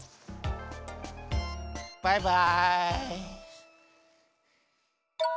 バイバイ。